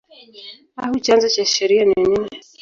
au chanzo cha sheria ni nini?